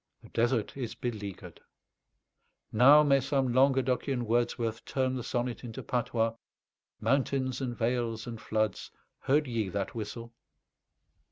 The desert is beleaguered. Now may some Languedocian Wordsworth turn the sonnet into patois: "Mountains and vales and floods, heard YE that whistle?"